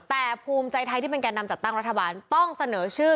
แต่ภูมิใจไทยที่เป็นแก่นำจัดตั้งรัฐบาลต้องเสนอชื่อ